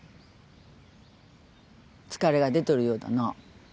疲れが出とるようだな。